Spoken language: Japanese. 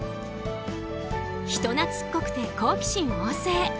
人懐っこくて好奇心旺盛。